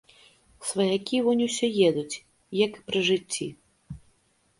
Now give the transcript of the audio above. Сваякі вунь усё едуць, як і пры жыцці.